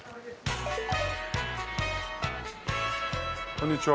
こんにちは。